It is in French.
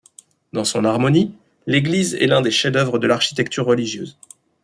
Dans son harmonie, l'église est l'un des chefs-d'œuvre de l'architecture religieuse.